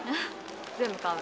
全部買う？